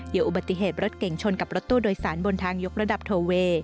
เดี๋ยวอุบัติเหตุรถเก่งชนกับรถตู้โดยสารบนทางยกระดับโทเวย์